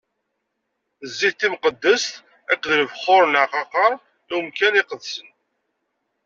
Zzit timqeddest akked lebxuṛ n leɛqaqer i umkan iqedsen.